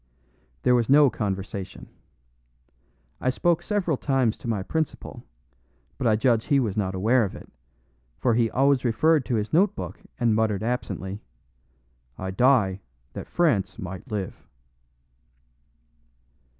There was no conversation. I spoke several times to my principal, but I judge he was not aware of it, for he always referred to his note book and muttered absently, "I die that France might live."